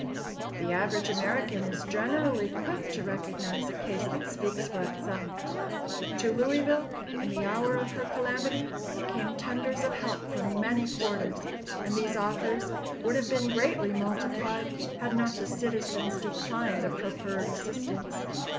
The average American is generally quick to recognize a case that speaks for itself. To Louisville, in the hour of her calamity, came tenders of help from many quarters, and these offers would have been greatly multiplied, had not the citizens declined the proffered assistance.